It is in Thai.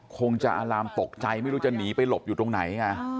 คงจะอารามตกใจไม่รู้จะหนีไปหลบอยู่ตรงไหนไง